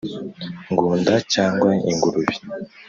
Ngunda cyangwa ingurube